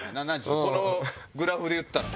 このグラフでいったら。